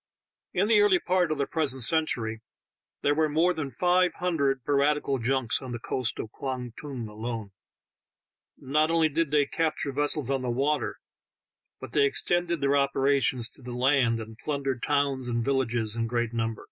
In the early part of the present eentury there were more than five hundred piratieal junks on the eoast of Kwang Tung alone; not only did they eapture vessels on the water, but they extended their operations to the land, and plundered towns and villages in great number.